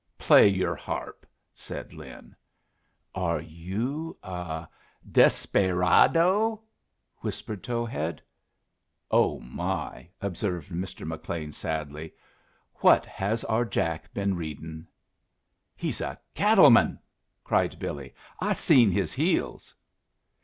"Play your harp," said Lin. "Are you a a desperaydo?" whispered Towhead. "Oh, my!" observed Mr. McLean, sadly; "what has our Jack been readin'?" "He's a cattle man!" cried Billy. "I seen his heels."